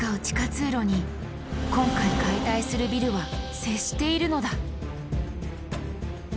地下通路に今回解体するビルは接しているのだ。